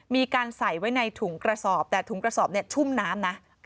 มีการใส่ไว้ในถุงกระสอบแต่ถุงกระสอบชุ่มน้ำนะ